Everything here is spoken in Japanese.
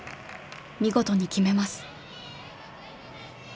見事に決めます。